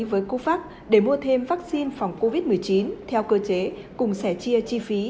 với covax để mua thêm vắc xin phòng covid một mươi chín theo cơ chế cùng sẻ chia chi phí